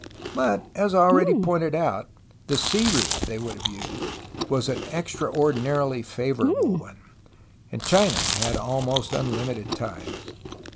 But, as already pointed out, the sea route they would have used was an extraordinarily fav orable one, and China had almost unlimited time.